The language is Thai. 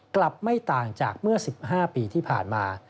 กลับไม่ต่างจากเมื่อ๑๕ปีที่ผ่านมา